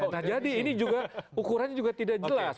nah jadi ini juga ukurannya juga tidak jelas